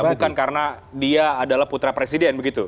bukan karena dia adalah putra presiden begitu